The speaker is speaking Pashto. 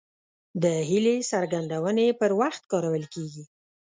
د هیلې څرګندونې پر وخت کارول کیږي.